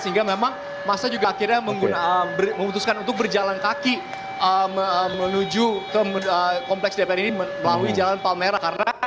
sehingga memang masa akhirnya juga memutuskan untuk berjalan kaki menuju kompleks dpr ini melalui jalan palmerah